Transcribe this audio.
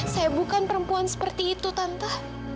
saya bukan perempuan seperti itu tanta